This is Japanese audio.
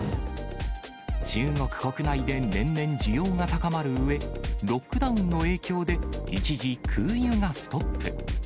中国国内で年々、需要が高まるうえ、ロックダウンの影響で、一時、空輸がストップ。